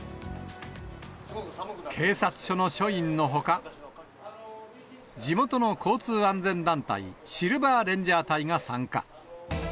警察署の署員のほか、地元の交通安全団体、シルバーレンジャー隊が参加。